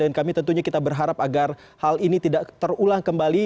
dan kami tentunya kita berharap agar hal ini tidak terulang kembali